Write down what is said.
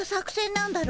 なんだい？